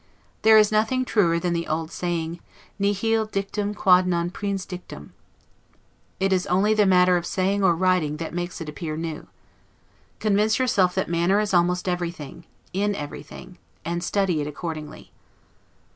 There is nothing truer than that old saying, 'Nihil dictum quod non prins dictum'. It is only the manner of saying or writing it that makes it appear new. Convince yourself that manner is almost everything, in everything; and study it accordingly.